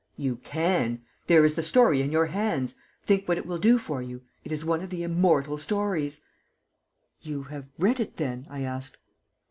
"You can. There is the story in your hands. Think what it will do for you. It is one of the immortal stories " "You have read it, then?" I asked.